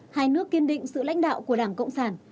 hai nước kiên định sự lãnh đạo của đảng cộng sản